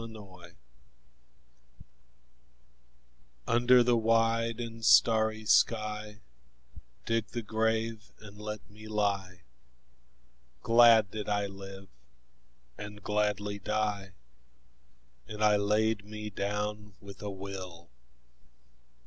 Requiem UNDER the wide and starry sky Dig the grave and let me lie: Glad did I live and gladly die, And I laid me down with a will.